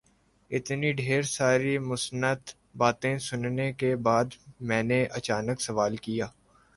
اتنی ڈھیر ساری مثبت باتیں سننے کے بعد میں نے اچانک سوال کیا